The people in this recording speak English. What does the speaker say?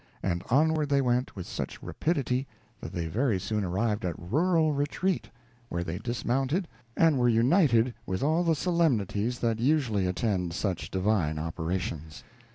And onward they went, with such rapidity that they very soon arrived at Rural Retreat, where they dismounted, and were united with all the solemnities that usually attended such divine operations.